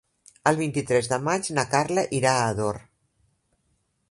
El vint-i-tres de maig na Carla irà a Ador.